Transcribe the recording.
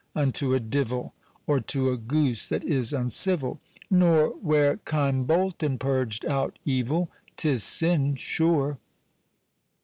unto a divell, Or to a goose that is uncivill, Nor where Keimbolton purg'd out evill, 'Tis sin sure.